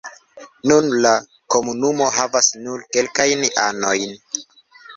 Nun la komunumo havas nur kelkajn anojn.